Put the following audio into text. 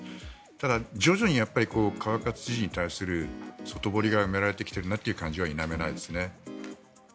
ただ、徐々に川勝知事に対する外堀が埋められてきているという感じは否めないですね。